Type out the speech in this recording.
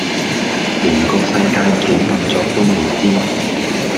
連個世界點運作都未知